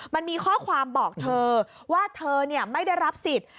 มันมีข้อความบอกเธอว่าเธอไม่ได้รับสิทธิ์